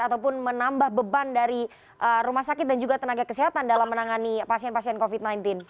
ataupun menambah beban dari rumah sakit dan juga tenaga kesehatan dalam menangani pasien pasien covid sembilan belas